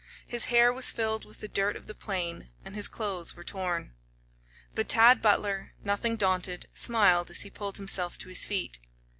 His hair was filled with the dirt of the plain, and his clothes were torn. But Tad Butler, nothing daunted, smiled as he pulled himself to his feet.